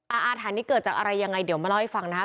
อาถรรพ์นี้เกิดจากอะไรยังไงเดี๋ยวมาเล่าให้ฟังนะครับ